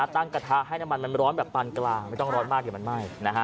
กระทะให้น้ำมันมันร้อนแบบปานกลางไม่ต้องร้อนมากเดี๋ยวมันไหม้